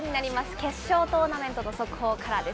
決勝トーナメントの速報からです。